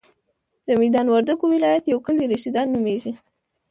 د ميدان وردګو ولایت یو کلی رشیدان نوميږي.